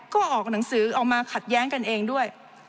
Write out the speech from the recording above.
ก็ออกหนังสือออกมาขัดแย้งกันเองด้วย